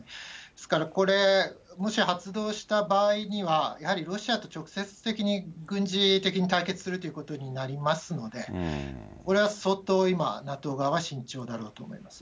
ですから、もし発動した場合にはやはりロシアと直接的に軍事的に対決するということになりますので、これは相当、今、ＮＡＴＯ側は慎重だろうと思います。